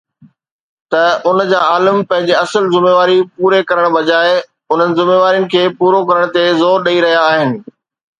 ته ان جا عالم پنهنجي اصل ذميواري پوري ڪرڻ بجاءِ انهن ذميوارين کي پورو ڪرڻ تي زور ڏئي رهيا آهن